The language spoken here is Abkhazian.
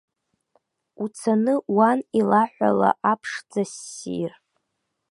Уцаны уан илаҳәала аԥшӡассир!